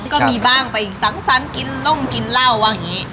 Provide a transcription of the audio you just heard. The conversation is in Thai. ก็มีบ้างไปสังสั้นกินหร่องกินร่าวว่าอย่างนี้